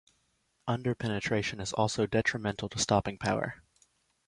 Under-penetration is also detrimental to stopping power.